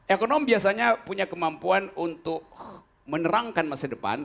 ekonom biasanya punya kemampuan untuk menerangkan masa depan